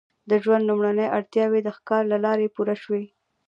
د ژوند لومړنۍ اړتیاوې د ښکار له لارې پوره شوې.